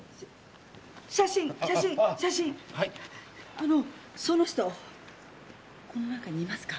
あのその人この中にいますか？